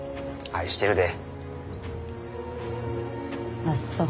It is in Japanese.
愛してるで。